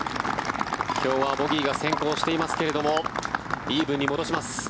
今日はボギーが先行していますけれどもイーブンに戻します。